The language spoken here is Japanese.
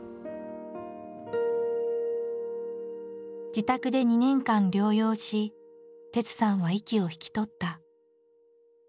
自宅で２年間療養し哲さんは息を引き取った。